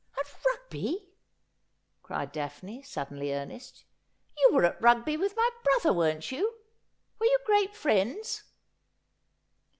'' At Rugby !' cried Daphne, suddenly earnest. ' You were at Rua; by with my brother, weren't you ? Were you great friends